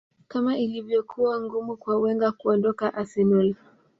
kama ilivyokuwa ngumu kwa wenger kuondoka arsenal